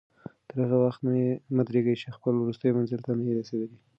تر هغه وخته مه درېږه چې خپل وروستي منزل ته نه یې رسېدلی.